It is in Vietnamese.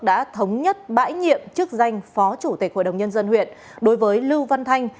đã thống nhất bãi nhiệm chức danh phó chủ tịch hội đồng nhân dân huyện đối với lưu văn thanh